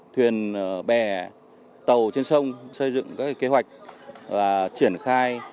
thuyền bè tàu trên sông xây dựng các kế hoạch và triển khai